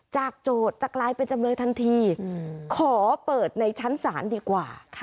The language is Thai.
โจทย์จะกลายเป็นจำเลยทันทีขอเปิดในชั้นศาลดีกว่า